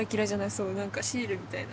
そう何かシールみたいな。